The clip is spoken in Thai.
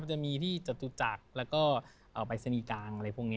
จะมีที่จตุจักรและก็ไปรษนีกลาง